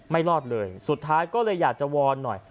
รอดเลยสุดท้ายก็เลยอยากจะวอนหน่อย